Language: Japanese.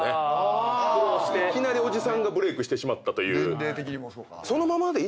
いきなりおじさんがブレークしてしまったという。